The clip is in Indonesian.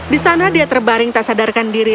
di sana dia terbaring tak sadarkan diri